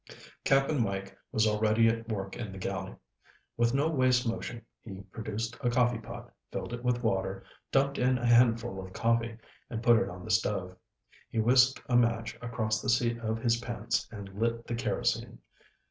Cap'n Mike was already at work in the galley. With no waste motion he produced a coffeepot, filled it with water, dumped in a handful of coffee and put it on the stove. He whisked a match across the seat of his pants and lit the kerosene.